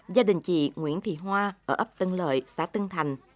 gia đình chị nguyễn thị hoa ở ấp tân lợi xã tân thành